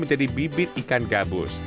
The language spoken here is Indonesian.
jadi bibit ikan gabus